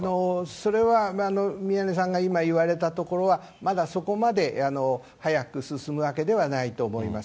それは、宮根さんが今言われたところは、まだそこまで速く進むわけではないと思います。